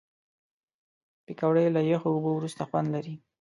پکورې له یخو اوبو وروسته خوند لري